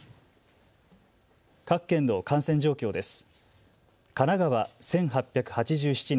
各県の感染状況です。